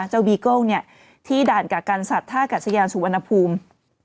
เจ้าบีเกิ้ลเนี่ยที่ด่านกับการสัตว์ท่ากัสยานสุวรรณภูมิ